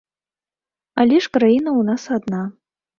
Але ж краіна ў нас адна.